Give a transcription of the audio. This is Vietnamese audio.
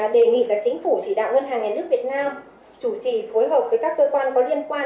đề nghị chính phủ chỉ đạo ngân hàng nhà nước việt nam chủ trì phối hợp với các cơ quan có liên quan